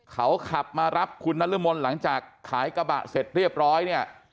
เขาขับมารับคุณนรมนหลังจากขายกระบะเสร็จเรียบร้อยเนี่ย